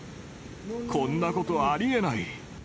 こんなことありえない。